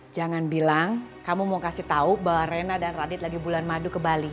jangan bilang kamu mau kasih tahu bahwa rena dan radit lagi bulan madu ke bali